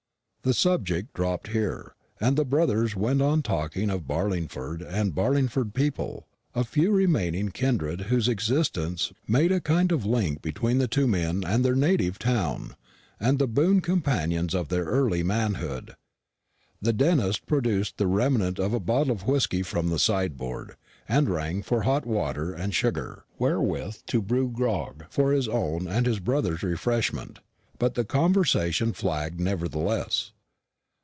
The subject dropped here, and the brothers went on talking of Barlingford and Barlingford people the few remaining kindred whose existence made a kind of link between the two men and their native town, and the boon companions of their early manhood. The dentist produced the remnant of a bottle of whisky from the sideboard, and rang for hot water and sugar, wherewith to brew grog, for his own and his brother's refreshment; but the conversation flagged nevertheless.